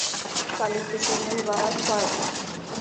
ستا لیک د شیرینو عباراتو په اړه.